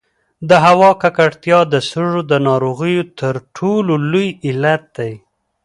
د هوا ککړتیا د سږو د ناروغیو تر ټولو لوی علت دی.